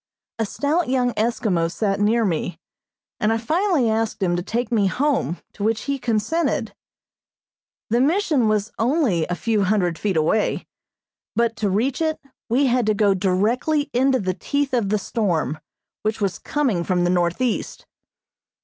A stout young Eskimo sat near me, and I finally asked him to take me home, to which he consented. The Mission was only a few hundred feet away, but to reach it we had to go directly into the teeth of the storm, which was coming from the northeast.